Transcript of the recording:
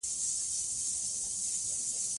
جګه لوړه لکه سرو خرامانه